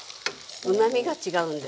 うまみが違うんです。